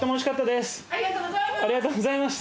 ありがとうございます。